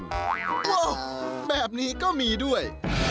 โอ้โหแบบนี้ก็มีด้วย